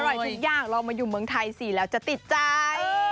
ทุกอย่างลองมาอยู่เมืองไทยสิแล้วจะติดใจ